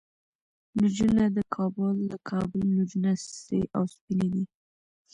نجونه د کابل، د کابل نجونه سرې او سپينې دي